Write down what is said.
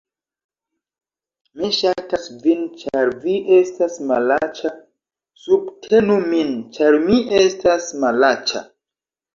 Mi ŝatas vin ĉar vi estas malaĉa subtenu min ĉar mi estas malaĉa